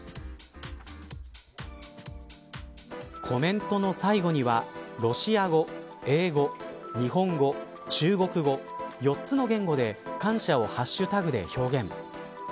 コメントの最後にはロシア語、英語日本語、中国語４つの言語で感謝をハッシュタグで表現。